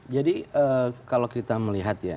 jadi kalau kita melihat ya